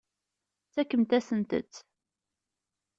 Tfakemt-asent-tt.